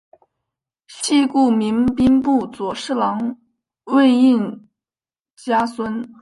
系故明兵部左侍郎魏应嘉孙。